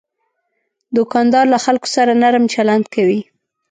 دوکاندار له خلکو سره نرم چلند کوي.